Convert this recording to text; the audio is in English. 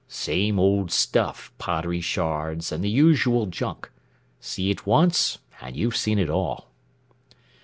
"Same old stuff, pottery shards and the usual junk. See it once and you've seen it all."